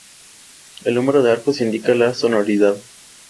El número de arcos indica la sonoridad.